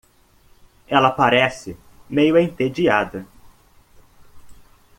Ela parece meio entediada.